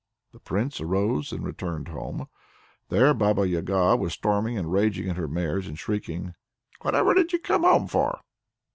The Prince arose and returned home. There the Baba Yaga was storming and raging at her mares, and shrieking: "Whatever did ye come home for?"